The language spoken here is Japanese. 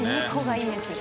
いいですね。